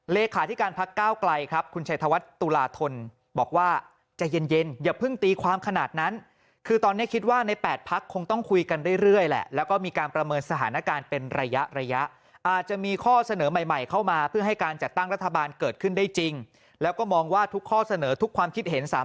เลขาธิการพักก้าวไกลครับคุณชัยธวัฒน์ตุลาทนบอกว่าใจเย็นอย่าเพิ่งตีความขนาดนั้นคือตอนนี้คิดว่าใน๘พักคงต้องคุยกันเรื่อยแหละแล้วก็มีการประเมินสถานการณ์เป็นระยะระยะอาจจะมีข้อเสนอใหม่เข้ามาเพื่อให้การจัดตั้งรัฐบาลเกิดขึ้นได้จริงแล้วก็มองว่าทุกข้อเสนอทุกความคิดเห็น